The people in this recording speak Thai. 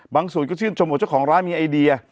ศูนย์ก็ชื่นชมว่าเจ้าของร้านมีไอเดีย